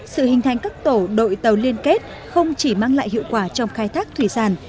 sự hình thành các tổ đội tàu liên kết không chỉ mang lại hiệu quả trong khai thác thủy sản